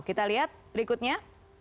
kita lihat berikutnya